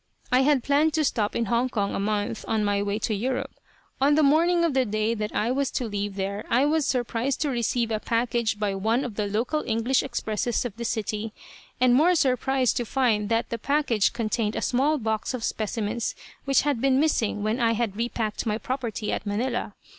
I had planned to stop in Hong Kong a month on my way to Europe. On the morning of the day that I was to leave there I was surprised to receive a package by one of the local English expresses of the city, and more surprised to find that the package contained a small box of specimens which had been missing when I had repacked my property at Manila.